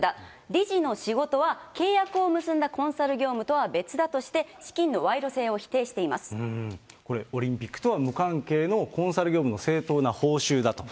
理事の仕事は契約を結んだコンサル業務とは別だとして、これ、オリンピックとは無関係のコンサル業務の正当な報酬だと。